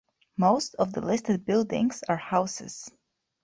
Most of the listed buildings are houses.